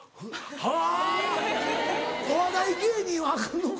はぁお笑い芸人はアカンのか？